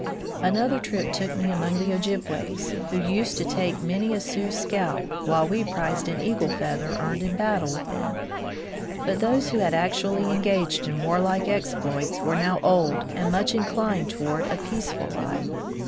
Another trip took me among the Qjibways, who used to take many a Sioux scalp, while we prized an eagle feather earned in battle with them. But those who had actually engaged in warlike exploits were now old and much inclined toward a peaceful life.